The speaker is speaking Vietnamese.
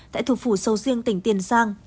tại thủ phủ sâu riêng tỉnh tiền giang